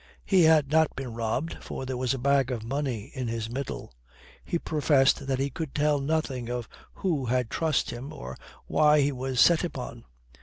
He had not been robbed, for there was a bag of money at his middle. He professed that he could tell nothing of who had trussed him or why he was set upon.